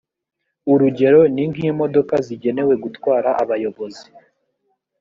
urugero ni nk imodoka zigenewe gutwara abayobozi